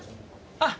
あっ！